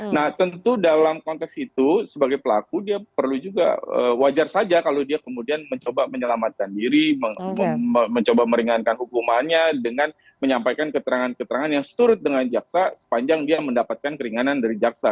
nah tentu dalam konteks itu sebagai pelaku dia perlu juga wajar saja kalau dia kemudian mencoba menyelamatkan diri mencoba meringankan hukumannya dengan menyampaikan keterangan keterangan yang seturut dengan jaksa sepanjang dia mendapatkan keringanan dari jaksa